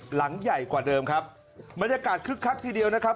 หลังใหญ่กว่าเดิมครับบรรยากาศคึกคักทีเดียวนะครับ